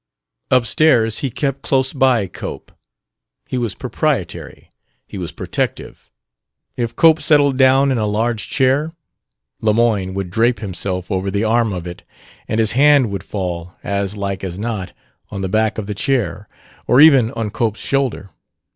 Upstairs he kept close by Cope: he was proprietary; he was protective. If Cope settled down in a large chair, Lemoyne would drape himself over the arm of it; and his hand would fall, as like as not, on the back of the chair, or even on Cope's shoulder.